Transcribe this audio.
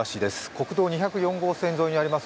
国道２０４号線沿いにあります